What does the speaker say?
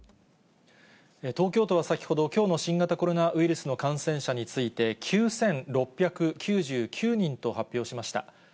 東京都は先ほど、きょうの新型コロナウイルスの感染者について、９６９９人と発表しました。